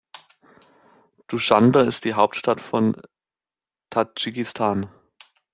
Duschanbe ist die Hauptstadt von Tadschikistan.